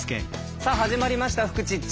さあ始まりました「フクチッチ」。